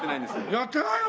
やってないの。